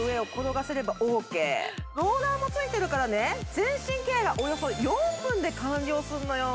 ローラーもついてるから、全身ケアがおよそ４分で完了するのよ。